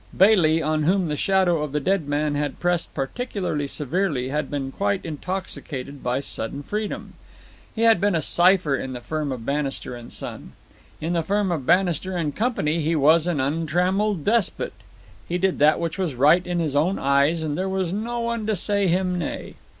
Bailey, on whom the shadow of the dead man had pressed particularly severely, had been quite intoxicated by sudden freedom. He had been a cipher in the firm of Bannister & Son. In the firm of Bannister & Co. he was an untrammelled despot. He did that which was right in his own eyes, and there was no one to say him nay.